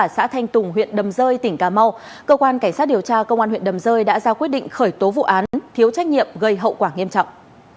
xã thanh tùng huyện đầm rơi tỉnh cà mau cơ quan cảnh sát điều tra công an huyện đầm rơi đã ra quyết định khởi tố vụ án thiếu trách nhiệm gây hậu quả nghiêm trọng